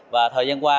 và thời gian qua